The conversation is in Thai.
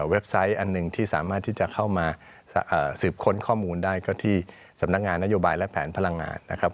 ไซต์อันหนึ่งที่สามารถที่จะเข้ามาสืบค้นข้อมูลได้ก็ที่สำนักงานนโยบายและแผนพลังงานนะครับ